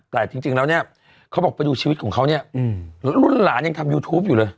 แต่จริงแล้วเนี่ยเขาบอกไปดูชีวิตของเขาเนี่ยรุ่นหลานยังทำยูทูปอยู่เลย